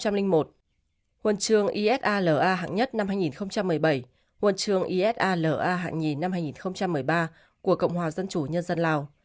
huân chương isa la hạng nhất năm hai nghìn một mươi bảy huân chương isa la hạng nhì năm hai nghìn một mươi ba của cộng hòa dân chủ nhân dân lào